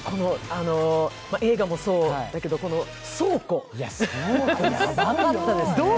映画もそうだけど、倉庫、どう？